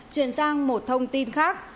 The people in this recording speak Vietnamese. chuyển sang một thông tin khác